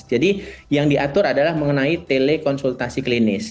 jadi yang diatur adalah mengenai telekonsultasi klinis